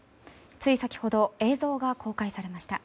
つい先ほど、映像が公開されました。